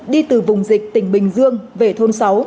đi từ vùng dịch tỉnh bình dương về thôn sáu